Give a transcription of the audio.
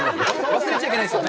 忘れちゃいけないですね。